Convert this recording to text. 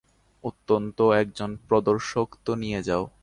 অন্তত্য একজন প্রদর্শক তো নিয়ে যাও।